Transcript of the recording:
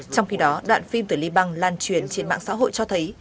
trong khi đó đoạn phim từ liban lan truyền trên mạng xã hội cho thấy